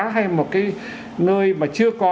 hay một cái nơi mà chưa có